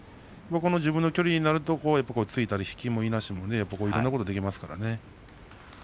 自分の距離になると突いたり、引きも、いなしもいろんなことができますからね。